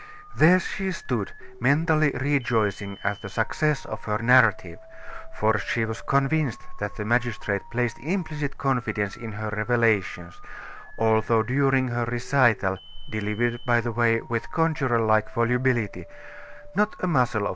There she stood, mentally rejoicing at the success of her narrative, for she was convinced that the magistrate placed implicit confidence in her revelations, although during her recital, delivered, by the way, with conjurer like volubility, not a muscle of M.